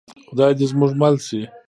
خدای دې زموږ مل شي